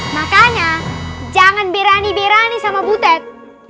makanya jangan berani berani sama butet